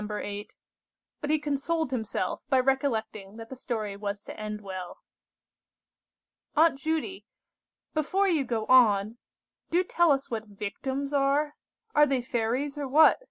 8; but he consoled himself by recollecting that the story was to end well. "Aunt Judy, before you go on, do tell us what victims are? Are they fairies, or what?